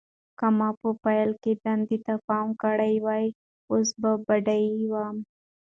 که ما په پیل کې دندې ته پام کړی وای، اوس به بډایه وم.